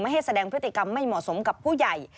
ให้แสดงพฤติกรรมไม่เหมาะสมกับผู้ใหญ่